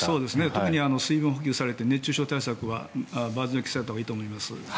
特に水分補給をされて熱中症対策は万全を期されたほうがいいと思います。